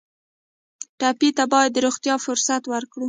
ټپي ته باید د روغتیا فرصت ورکړو.